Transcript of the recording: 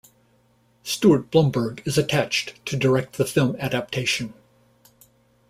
Stuart Blumberg is attached to direct the film adaptation.